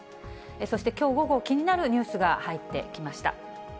そしてきょう午後、気になるニュースが入ってきました。